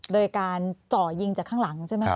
โดยการเจาะยิงจากข้างหลังเช่นเหมือนกัน